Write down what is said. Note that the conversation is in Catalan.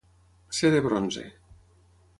Ser de bronze.